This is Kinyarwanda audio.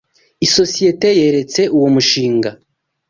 Isosiyete yaretse uwo mushinga.